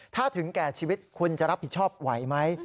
ถ้าถึงแก่ชีวิตคุณจะรับผิดชอบไหวไหม